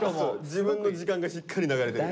自分の時間がしっかり流れてる。